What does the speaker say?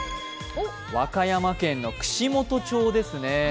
和歌山県の串本町ですね。